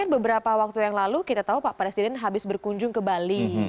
beberapa waktu yang lalu kita tahu pak presiden habis berkunjung ke bali